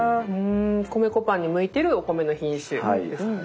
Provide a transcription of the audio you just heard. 米粉パンに向いてるお米の品種ですもんね。